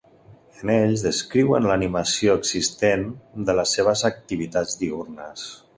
En ells descriuen l'animació existent de les seves activitats diürnes.